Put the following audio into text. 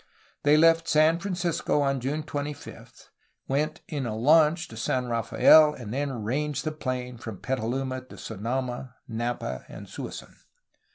They left San Francisco on June 25, went in a launch to San Rafael, and then ranged the plain from Petaluma to Sonoma, Napa, and Suisun.